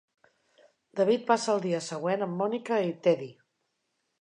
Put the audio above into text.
David passa el dia següent amb Monica i Teddy.